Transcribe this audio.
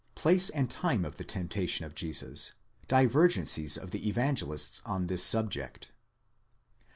§ 53. PLACE AND TIME OF THE TEMPTATION OF JESUS. DIVERGENCIES OF THE EVANGELISTS ON THIS SUBJECT.